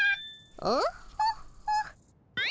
オッホッホ。